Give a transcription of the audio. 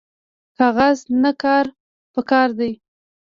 کاغذ نه کار پکار دی